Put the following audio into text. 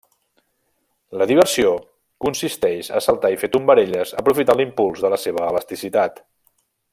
La diversió consisteix a saltar i fer tombarelles aprofitant l'impuls de la seva elasticitat.